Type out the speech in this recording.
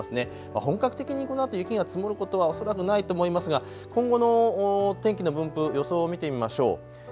本格的にこのあと雪が積もることはおそらくないと思いますが、今後の天気の分布予想を見てみましょう。